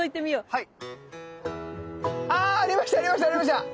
はい。